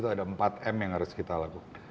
ada empat m yang harus kita lakukan